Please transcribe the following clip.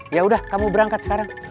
ya udah kamu berangkat sekarang